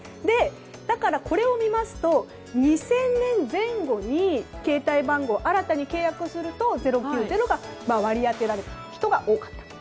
これを見ますと２０００年前後に携帯番号を新たに契約すると０９０が割り当てられる人が多かった。